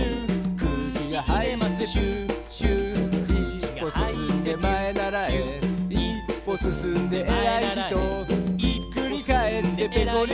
「くうきがはいってピュウピュウ」「いっぽすすんでまえならえいっぽすすんでえらいひと」「ひっくりかえってぺこり